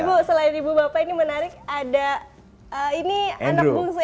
ibu selain ibu bapak ini menarik ada ini anak bungsu